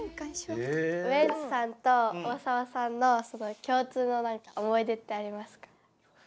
ウエンツさんと大沢さんの共通の思い出ってありますか？